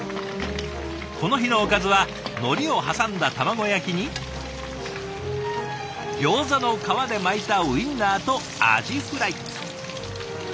この日のおかずはのりを挟んだ卵焼きにギョーザの皮で巻いたウインナーとアジフライ。